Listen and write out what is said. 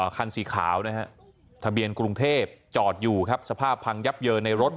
คันสีขาวนะฮะทะเบียนกรุงเทพจอดอยู่ครับสภาพพังยับเยินในรถ